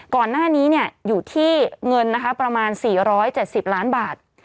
ก่อนหน้านี้อยู่ที่เงินนะคะประมาณ๔๗๐ล้านบาท